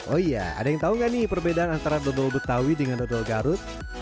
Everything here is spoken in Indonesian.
oh iya ada yang tahu nggak nih perbedaan antara dodol betawi dengan dodol garut